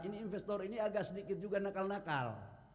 ini investor ini agak sedikit juga nakal nakal